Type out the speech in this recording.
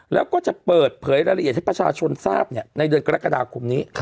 แล้วก็จะเปิดเผยรายละเอียดให้ประชาชนทราบในเดือนกรกฎาคมนี้